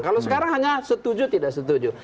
kalau sekarang hanya setuju tidak setuju